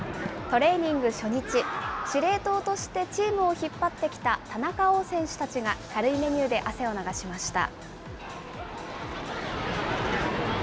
トレーニング初日、司令塔としてチームを引っ張ってきた田中碧選手たちが軽いメニューで汗を流しました。